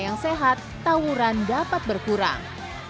yang sehat tawuran dapat berkurang